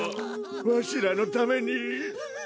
わしらのために。